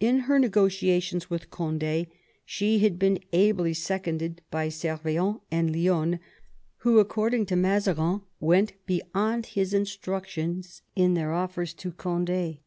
In her negotiations with Cond^ she had been ably seconded by Servien and Lionne, who, according to Mazarin, went beyond his instructions in their offers to Cond^.